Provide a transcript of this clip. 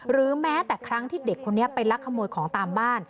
หรือแม้แต่ครั้งที่เด็กคนนี้ไปลักขโมยของตามบ้าน